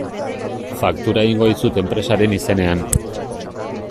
Faktura egingo dizut enpresaren izenean.